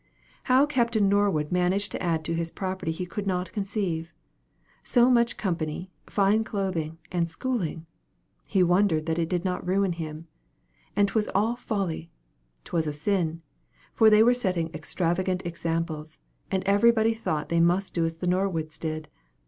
How Captain Norwood managed to add to his property he could not conceive. So much company, fine clothing, and schooling! he wondered that it did not ruin him. And 'twas all folly 'twas a sin; for they were setting extravagant examples, and every body thought they must do as the Norwoods did.